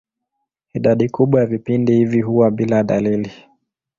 Idadi kubwa ya vipindi hivi huwa bila dalili.